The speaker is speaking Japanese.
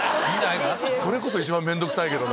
それこそ一番面倒くさいけど。